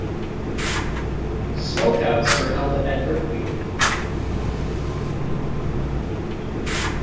"Smokeouts" were held at Berkeley.